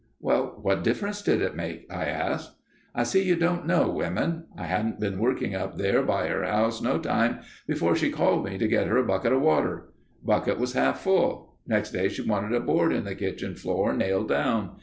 "Well, what difference did it make?" I asked. "I see you don't know women. I hadn't been working up there by her house no time before she called me to get her a bucket of water. Bucket was half full. Next day she wanted a board in the kitchen floor nailed down.